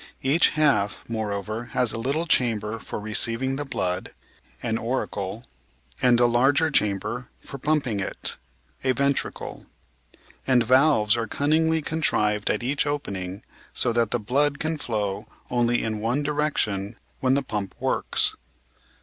Each half, moreover, has a little chamber for receiving the blood (an auricle) and a larger chamber for pumping it (a ventricle), and valves are cunningly contrived at each opening so that the blood can flow only in one direction when the pump works.